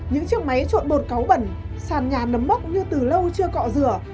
những chiếc máy trộn bột cáu bẩn sàn nhà nấm bốc như từ lâu chưa cọ rửa